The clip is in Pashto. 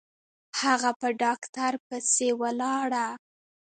هغه په ډاکتر پسې ولاړه.